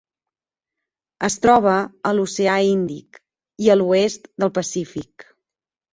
Es troba a l'Oceà Índic i a l'oest del Pacífic.